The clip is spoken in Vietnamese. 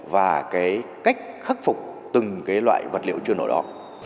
và cách khắc phục từng loại vật liệu chưa nổ đó